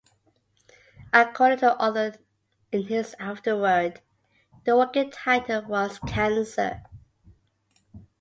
According to the author in his afterword, the working title was "Cancer".